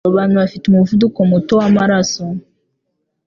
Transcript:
Abo bantu bafite umuvuduko muto w'amaraso